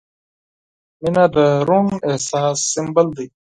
• مینه د روڼ احساس سمبول دی.